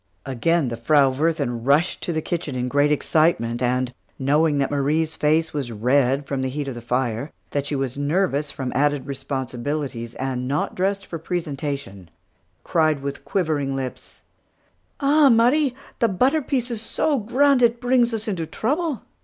Again the Frau Wirthin rushed to the kitchen in great excitement, and knowing that Marie's face was red from heat of the fire, that she was nervous from added responsibilities, and not dressed for presentation cried with quivering lips: "Ah, Marie! the butter piece is so grand, it brings us into trouble.